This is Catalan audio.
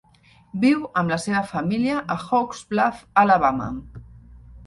Viu amb la seva família a Hokes Bluff, Alabama.